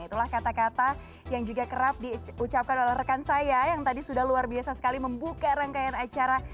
itulah kata kata yang juga kerap diucapkan oleh rekan saya yang tadi sudah luar biasa sekali membuka rangkaian acara